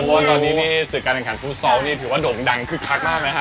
ตอนนี้นี่ศึกษาแห่งขันฟู้ซอลนี่ถือว่าโด่งดังคึกคลักมากไหมฮะ